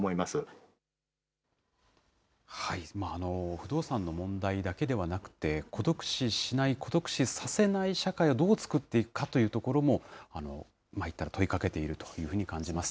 不動産の問題だけではなくて、孤独死しない、孤独死させない社会をどう作っていくかというところも問いかけていると感じます。